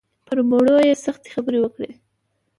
پر مړو یې سختې خبرې وکړې.